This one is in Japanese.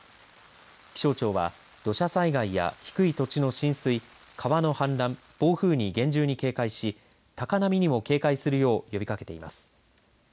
気象庁は土砂災害や低い土地の浸水川の氾濫、暴風に厳重に警戒し高波にも警戒するよう呼びかけています。